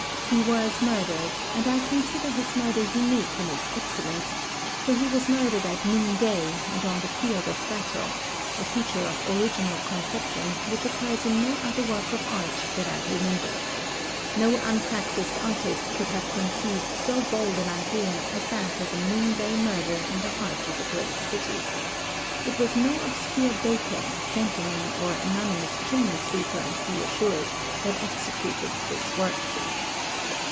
He was murdered; and I consider his murder imique in its excellence; for he was murdered at noon day, and on the field of battl — a feature of original conception, which occurs 224 THE TECHNIQUE OF THE MYSTERY STORY in no other work of art that I remember. No unpracticed artist could have conceived so bold an idea as that of a noon day murder in the heart of a great city. It was no obscure baker, gentlemen, or anonymous chinmey sweeper, be assured, that executed this work.